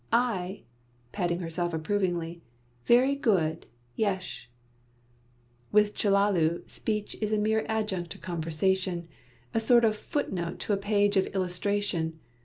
I" (patting herself approvingly) "very good; yesh." With Chellalu, speech is a mere adjunct to conversation, a sort of footnote to a page of illustration.